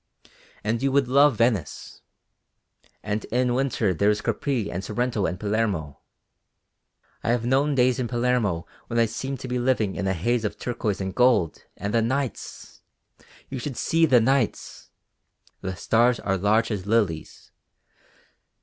And you would love Venice; and in winter there is Capri and Sorrento and Palermo. I have known days in Palermo when I seemed to be living in a haze of turquoise and gold. And the nights! You should see the nights! The stars are large as lilies!